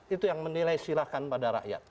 itu yang menilai silahkan pada rakyat